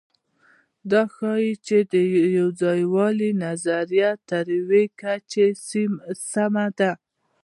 دا ښيي، چې د یوځایوالي نظریه تر یوې کچې سمه ده.